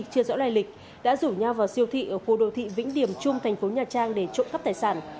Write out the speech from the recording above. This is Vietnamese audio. chưa rõ lai lịch đã rủ nhau vào siêu thị ở khu đô thị vĩnh điểm trung thành phố nhà trang để trộm cắp tài sản